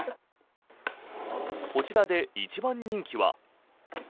こちらで一番人気は。